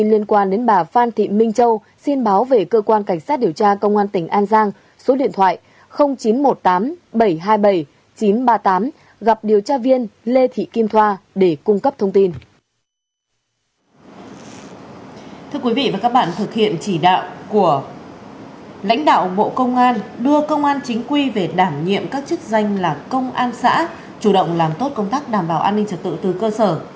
lãnh đạo bộ công an đưa công an chính quy về đảm nhiệm các chức danh là công an xã chủ động làm tốt công tác đảm bảo an ninh trật tự từ cơ sở